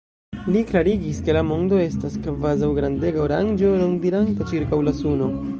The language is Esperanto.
Li klarigis, ke la mondo estas kvazaŭ grandega oranĝo, rondiranta ĉirkaŭ la suno.